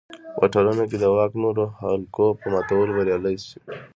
په ټولنه کې د واک نورو حلقو په ماتولو بریالی شي.